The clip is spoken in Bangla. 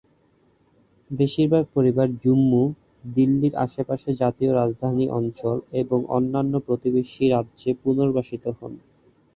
বেশিরভাগ পরিবার জম্মু, দিল্লির আশেপাশে জাতীয় রাজধানী অঞ্চল এবং অন্যান্য প্রতিবেশী রাজ্যে পুনর্বাসিত হন।